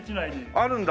あるんだ。